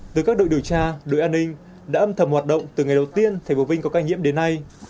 từ các đội điều tra đội an ninh đã âm thầm hoạt động từ ngày đầu tiên tp vinh có ca nhiễm đến nay